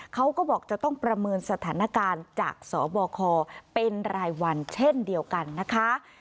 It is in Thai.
เขาก็บอกจะต้องประเมินสถานการณ์จากสบคเป็นรายวันเช่นเดียวกันนะคะ